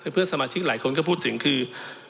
เพื่อนสมาชิกหลายคนก็พูดถึงคือ